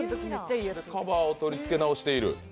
カバーを取りつけ直している？